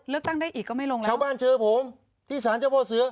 เลือกตั้งได้อีกก็ไม่ลงแล้วชาวบ้านเจอผมที่สารเจ้าพ่อเสือ